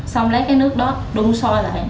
xong lấy cái nước đó đun soi lại